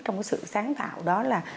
trong cái sự sáng tạo đó là